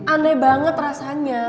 aneh banget rasanya